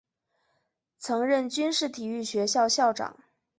曾任军事体育学校校长。